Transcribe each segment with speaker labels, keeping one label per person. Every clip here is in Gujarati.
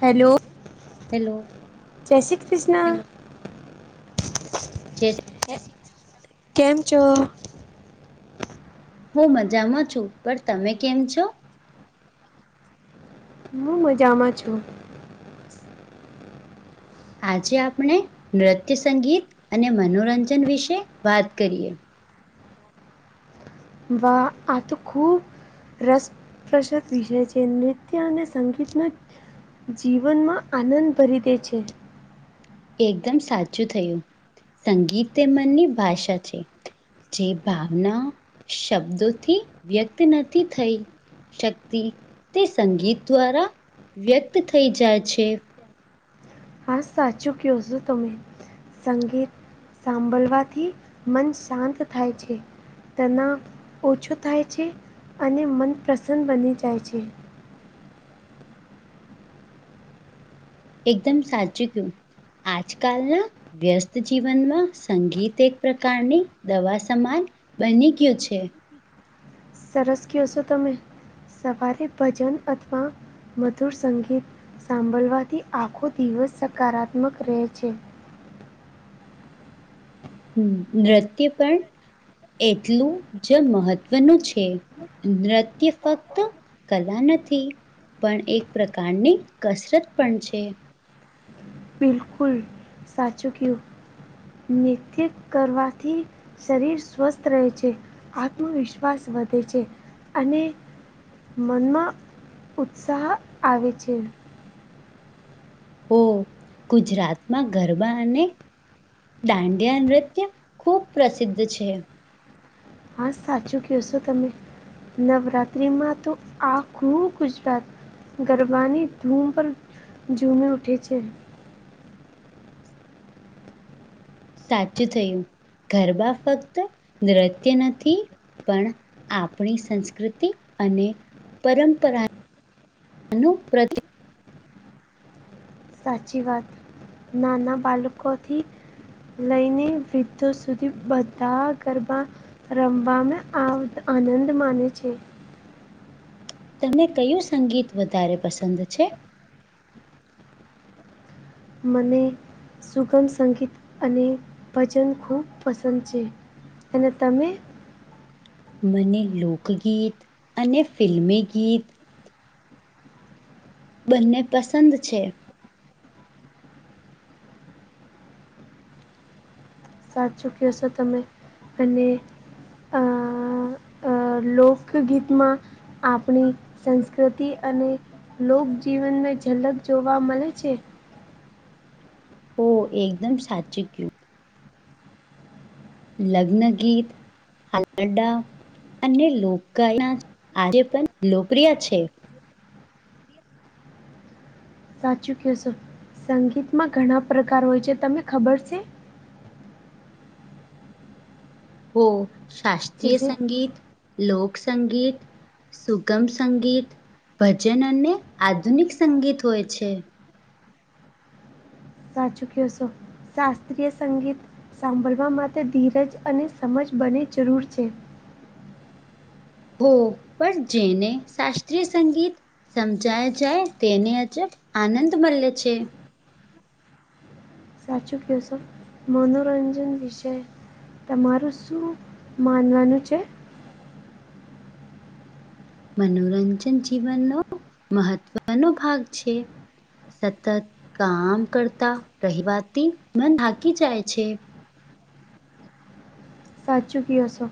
Speaker 1: હેલો
Speaker 2: હેલો
Speaker 1: જય શ્રી કૃષ્ણ
Speaker 2: જેસ
Speaker 1: [unintelligible] કેમ છો
Speaker 2: હું મજામાં છું પણ તમે કેમ છો
Speaker 1: હું મજામાં છું
Speaker 2: આજે આપણે નૃત્ય સંગીત અને મનોરંજન વિશે વાત કરીએ
Speaker 1: વા આતો ખૂબ રસપ્રસદ વિષય છે નૃત્ય અને સંગીતના જીવનમાં આનંદ ભરી દે છે
Speaker 2: એકદમ સાચું થયું સંગીત તે મનની ભાષા છે. જે ભાવના શબ્દોથી વ્યક્ત નથી થઈ શક્તિ તે સંગીત દ્વારા વ્યક્ત થઈ જાય છે.
Speaker 1: હા સાચું કયો છો તમે સંગીત સાંભળવાથી મન શાંત થાય છે. તનાવ ઓછો થાય છે, અને મન પ્રસન્ન બની જાય છે.
Speaker 2: એકદમ સાચું કયું આજકાલના વ્યસ્ત જીવનમાં સંગીત એક પ્રકારની દવા સમાન બને કયો છે.
Speaker 1: સરસ ક્યો છો તમે. સવારે ભજન અથવા મધુર સંગીત સાંભળવાથી આખો દિવસ સકારાત્મક રહે છે.
Speaker 2: નૃત્ય પણ એટલું જ મહત્વનું છે. નૃત્ય ફક્ત કલા નથી પણ એક પ્રકારની કસરત પણ છે.
Speaker 1: બિલકુલ સાચું કીયુ નૃત્ય કરવાથી શરીર સ્વસ્થ રહે છે, આત્મવિશ્વાસ વધે છે, અને મનમાં ઉત્સાહ આવે છે.
Speaker 2: ઓ ગુજરાતમાં ગરબા અને દાંડિયા નૃત્ય ખૂબ પ્રસિદ્ધ છે.
Speaker 1: હા સાચું કેશો તમે. નવરાત્રી માં તો આખું ગુજરાત ગરબાની ધૂમ પર જુમે ઉઠે છેે.
Speaker 2: સાચું થયું ગરબા ફક્ત નૃત્ય નથી પણ આપણી સંસ્કૃતિ અને પરંપરા નું પ્રતિ.
Speaker 1: સાચી વાત નાના બાળકો થી લઈને વિૃદ્ધો સુધી બધા ગરબા રમવા ને આ આનંદ માને છે.
Speaker 2: તને કયું સંગીત વધારે પસંદ છે.
Speaker 1: મને સુગમ સંગીત અને ભજન ખૂબ પસંદ છે. અને તમે
Speaker 2: મને લોકગીત અને ફિલ્મી ગીત બંને પસંદ છે.
Speaker 1: સાચું ક્યો છો તમે અને અ અ લોકગીતમાં આપણી સંસ્કૃતિ અને લોક જીવનમે ઝલક જોવા મળે છે.
Speaker 2: ઓ એકદમ સાચું કયું લગ્ન ગીત હલડા અને લોકગાય ના આજે પણ લોકપ્રિય છે.
Speaker 1: સાચું કેશો સંગીતમાં ઘણા પ્રકાર હોય છે તમે ખબર છે?
Speaker 2: હો શાસ્ત્રીય
Speaker 1: જૈસે
Speaker 2: સંગીત, લોકસંગીત, સુગમ સંગીત, ભજન અને આધુનિક સંગીત હોય છે.
Speaker 1: સાચુ ક્યો સો. શાસ્ત્રીય સંગીત સાંભળવા માટે ધીરજ અને સમજ બને જરૂર છે.
Speaker 2: હો પણ જેને શાસ્ત્રીય સંગીત સમજાય જાય તેને અજબ આનંદ મળે છે.
Speaker 1: સાચું ક્યો સો મનોરંજન વિષય તમારું શું માનવાનું છે?
Speaker 2: મનોરંજન જીવનનો મહત્વનો ભાગ છે. સતત કામ કરતા રહેવાથી મન થાકી જાય છે.
Speaker 1: સાચું કયોસો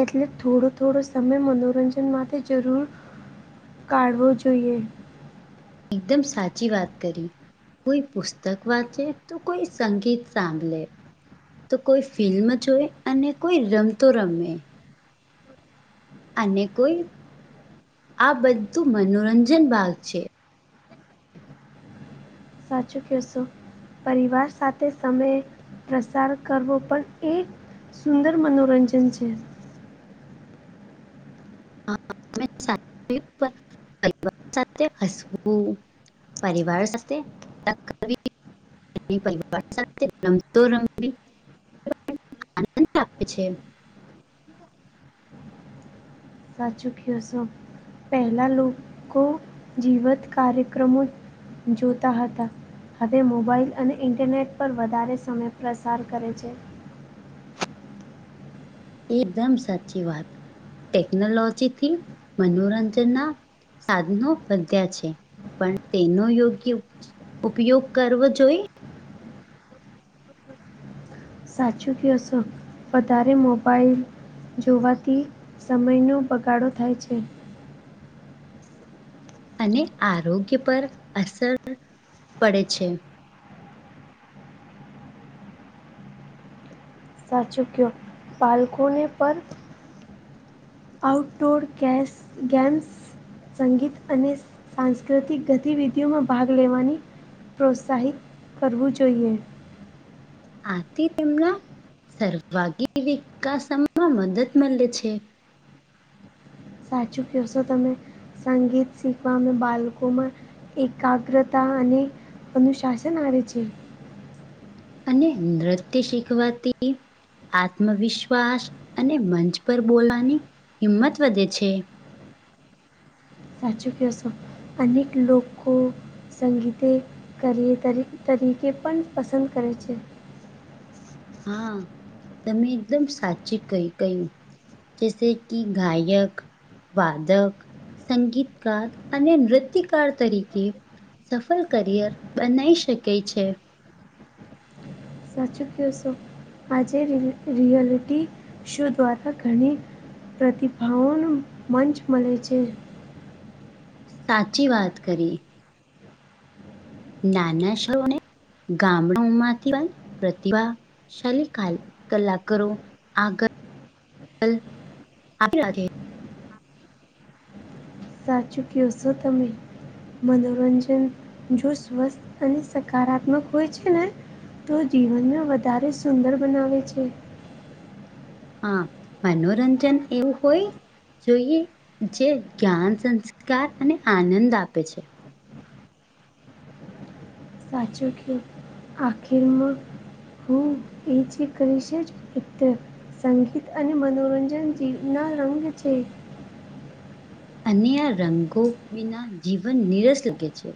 Speaker 1: એટલે થોડો થોડો સમય મનોરંજન માટે જરૂર કાઢવો જોઈએ.
Speaker 2: એકદમ સાચી વાત કરી. કોઈ પુસ્તક વાંચે તો કોઈ સંગીત સાંભલે. તો કોઈ ફિલ્મ જોય અને કોઈ રમતો રમે. અને કોઈ આ બધું મનોરંજન ભાગ છે.
Speaker 1: સાચું કયોશો. પરિવાર સાથે સમય પ્રસાર કરવો પણ એક સુંદર મનોરંજન છે.
Speaker 2: [unintelligible] સાથે હસવું. પરિવાર સાથે [unintelligible] પરિવાર સાથે રમતો રમવી [unintelligible] આનંદ આપે છે.
Speaker 1: સાચું ક્યોસો પહેલા લોકો જીવત કાર્યક્રમો જોતા હતા. હવે મોબાઈલ અને ઇન્ટરનેટ પર વધારે સમય પ્રસાર કરે છે.
Speaker 2: એકદમ સાચી વાત ટેકનોલોજી થી મનોરંજન ના સાધનો વધ્યા છે પણ તેનો યોગ્ય ઉપયોગ કરવો જોઈએ
Speaker 1: સાચું ક્યોસો વધારે મોબાઈલ જોવાથી સમયનો બગાડો થાય છે.
Speaker 2: અને આરોગ્ય પર અસર પડે છે.
Speaker 1: સાચુંક્યો બાલકોને પણ આઉટડોર કેશ ગેમ્સ સંગીત અને સાંસ્કૃતિક ગતિવિધિઓમાં ભાગ લેવાની પ્રોત્સાહિત કરવું જોઈએ.
Speaker 2: આથી તેમના સર્વાગી વિકાસમાં મદદ મળે છે.
Speaker 1: સાચું ક્યોસો તમે સંગીત શીખવા માં અમે બાલકો મા એકાગ્રતા અને અનુશાસન આવે છે.
Speaker 2: અને નૃત્ય શીખવાથી આત્મવિશ્વાસ અને મંચ પર બોલવાની હિંમત વધે છે.
Speaker 1: સાચું ક્યોસો અનેક લોકો સંગીતે કરી તરી તરીકે પણ પસંદ કરે છે.
Speaker 2: હા તમે એકદમ સાચું કય કયું. જૈસે કી ગાયક વાદક સંગીતકાર અને નૃત્યકાર તરીકે સફળ કરિયર બનાવી શકાય છે.
Speaker 1: સાચું ક્યોસો આજે રિ રિયલિટી શો દ્વારા ઘણી પ્રતિભાઓનો મંચ મળે છે.
Speaker 2: સાચી વાત કરી. નાના શહેરો ને ગામડમાંથી પણ પ્રતિભા [unintelligible] કલાકારો [unintelligible]
Speaker 1: સાચૂ ક્યો સો તમે મનોરંજન જો સ્વસ્થ અને સકારાત્મક હોય છે ને તો જીવનને વધારે સુંદર બનાવે છે.
Speaker 2: હા મનોરંજન એવું હોય જોઈએ જે જ્ઞાન સંસ્કાર અને આનંદ આપે છે.
Speaker 1: સાચો ક્યો આખિરમાં [unintelligible] અત્યારે સંગીત અને મનોરંજન જીવ ના રંગ છે.
Speaker 2: અને આ રંગો વિના જીવન નિનીરસ લાગે છે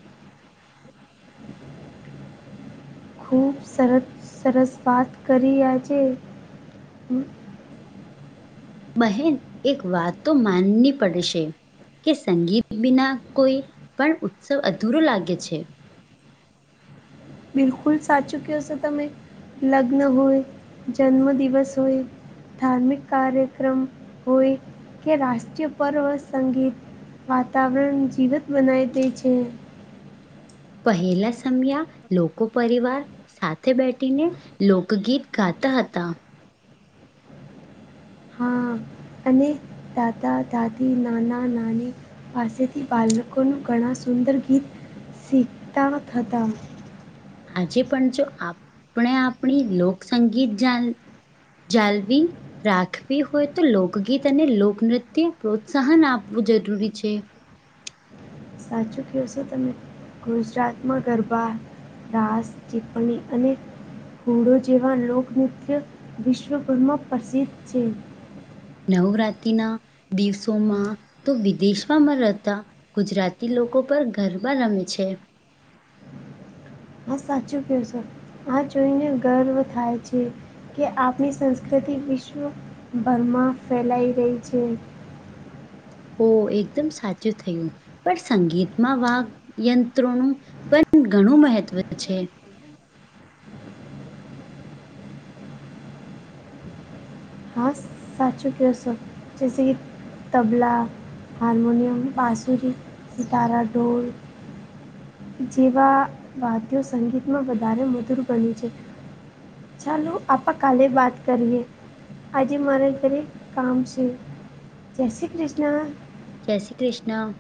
Speaker 1: ખૂબ સરસ સરસ વાત કરી્યા છે
Speaker 2: બહેન એક વાત તો માનવી પડશે કે સંગીત બના કોઈ પણ ઉત્સવ અધૂરો લાગે છે
Speaker 1: બિલકુલ સાચું ક છો તમે લગ્ન હોય જન્મ દિવસ હોય ધાર્મિક કાર્યક્રમ હોય કે રાષ્ટ્રીય પર્વ સંગીત વાતાવરણ જીવત બનાય દે છે
Speaker 2: પહેલા સમયા લોક પરિવાર સાથે બેઠીને લોકગીત ગાતા હતા
Speaker 1: હા અને દાદા દાદી નાના નાની પાસેથી બાળકોનું ઘણા સુંદર ગીત શીખતા હતા
Speaker 2: આજે પણ જો આપણે આપણી લોકસંગીત જ જાલ્વી રાખવી હોય તો લોકગીત અને લોકનૃત્ય પ્રોત્સાહન આપવું જરૂરી છે
Speaker 1: સાચું કહેશો તમે ગુજરાતમાં ગરબા રાસ ચીપણી અને ઘોડો જેવા લોકનૃત્ય વિશ્વભરમાં પ્રસિદ્ધ છે
Speaker 2: નવરાત્રિના દિવસોમાં તો વિદેશમાંમાં રહેતા ગુજરાતી લોકો પર ગરબા રમે છે
Speaker 1: હા સાચું કહ છ આ જોઈને ગર્વ થાય છે કે આપની સંસ્કૃતિ વિશ્વભરમાં ફેલાઈ રહી છે
Speaker 2: હો એકદમ સાચું થયું પણ સંગીતમાં વાઘયંત્રોનું પણ ઘણું મહત્વ છે
Speaker 1: સાચ ચુકી સૌ જૈસે કે તબલા હારમોનિયમ બાસુરી તારાઢોલ જેવા વાદ્યો સંગીતમાં વધારે મધુર બન્યું છે ચાલો આપ કાલે બાત કરીએ આજે મારે રેક કામ છે જૈસે કૃષ્ણ
Speaker 2: જય શ્રી કૃષ્ણ